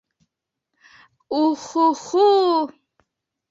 Ух-ху-ху!